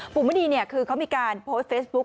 ปู่มุณีเนี่ยคือเขามีการโพสเฟสบุ๊ค